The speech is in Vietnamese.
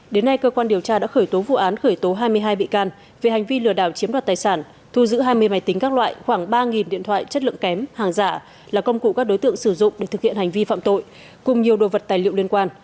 đến nay cơ quan điều tra đã khởi tố vụ án khởi tố hai mươi hai bị can về hành vi lừa đảo chiếm đoạt tài sản thu giữ hai mươi máy tính các loại khoảng ba điện thoại chất lượng kém hàng giả là công cụ các đối tượng sử dụng để thực hiện hành vi phạm tội cùng nhiều đồ vật tài liệu liên quan